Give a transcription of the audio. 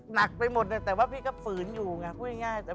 หนักไปหมดเลยแต่ว่าพี่ก็ฝืนอยู่ไงพูดง่าย